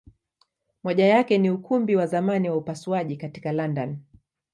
Moja yake ni Ukumbi wa zamani wa upasuaji katika London.